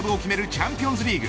チャンピオンズリーグ。